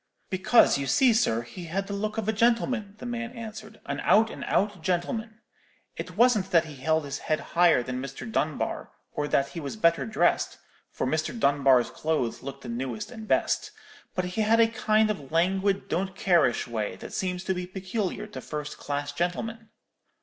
"'Because, you see, sir, he had the look of a gentleman,' the man answered; 'an out and out gentleman. It wasn't that he held his head higher than Mr. Dunbar, or that he was better dressed—for Mr. Dunbar's clothes looked the newest and best; but he had a kind of languid don't careish way that seems to be peculiar to first class gentlemen.'